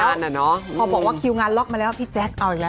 พอบอกว่าคิวงานล็อกมาแล้วพี่แจ๊กเอาอีกแล้ว